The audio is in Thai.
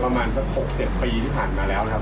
ประมาณสัก๖๗ปีที่ผ่านมาแล้วนะครับ